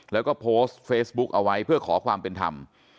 แล้วก็โพสต์เฟซบุ๊กเอาไว้เพื่อขอความเป็นธรรม